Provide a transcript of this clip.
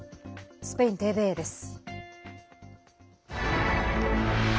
スペインＴＶＥです。